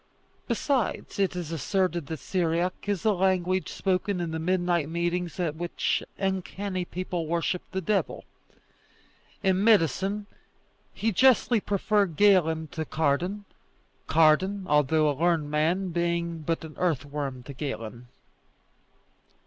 Besides, it is asserted that Syriac is the language spoken in the midnight meetings at which uncanny people worship the devil. In medicine he justly preferred Galen to Cardan; Cardan, although a learned man, being but an earthworm to Galen.